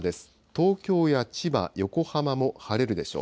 東京や千葉、横浜も晴れるでしょう。